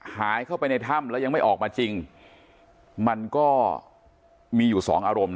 หายเข้าไปในถ้ำแล้วยังไม่ออกมาจริงมันก็มีอยู่สองอารมณ์